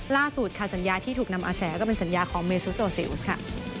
ล่าสุดค่ะสัญญาที่ถูกนำมาแฉก็เป็นสัญญาของเมซุโซซิลส์ค่ะ